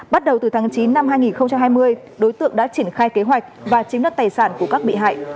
bắt đầu từ tháng chín năm hai nghìn hai mươi đối tượng đã triển khai kế hoạch và chiếm đất tài sản của các bị hại